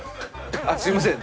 すいません。